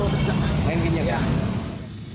yang kenyek ya